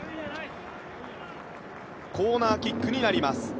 コーナーキックになります。